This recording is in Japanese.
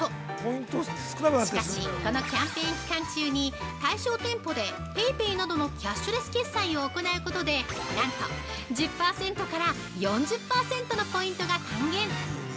しかし、このキャンペーン期間中に対象店舗でＰａｙＰａｙなどのキャッシュレス決済を行うことでなんと１０％から４０％のポイントが還元！